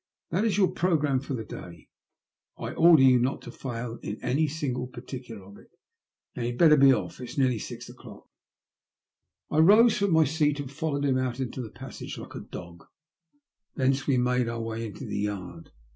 That is your programme for the day. I order you not to fail in. any single particular of it. Now you had better be oflf. It is nearly six o'clock." I rose from my seat and followed him out into the passage like a dog; thence we made our way into the yard.